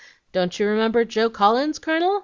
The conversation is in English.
"Don't you remember Joe Collins, Colonel?